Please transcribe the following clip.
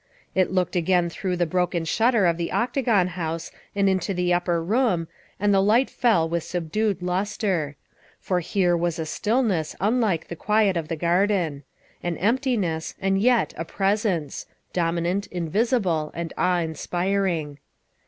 It looked again through the broken shutter of the Octagon House and into the upper room, and the light fell with subdued lustre. For here there was a stillness unlike the quiet of the garden; an emptiness, and yet a Presence dominant, invisible, and awe inspiring.